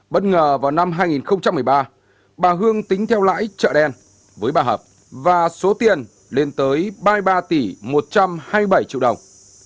bất ngờ vào năm hai nghìn một mươi ba bà hương tính theo lãi trợ đen với bà hợp và số tiền lên tới ba mươi ba tỷ một trăm hai mươi bảy triệu đồng